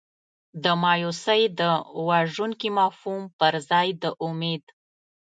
د مایوسۍ د وژونکي مفهوم پر ځای د امید.